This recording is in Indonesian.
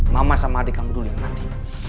mama sama adik kamu dulu yang mati